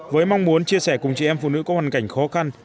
với mong muốn chia sẻ cùng chị em phụ nữ có hoàn cảnh khó khăn